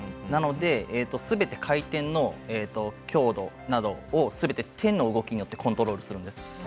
なので、すべて回転の強度などををすべて手の動きによってコントロールするんです。